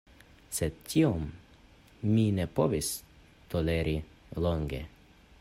Sed, tion mi ne povis toleri longe.